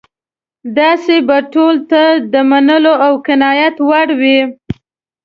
داسې به ټولو ته د منلو او قناعت وړ وي.